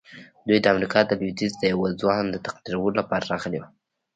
دوی د امريکا د لويديځ د يوه ځوان د تقديرولو لپاره راغلي وو.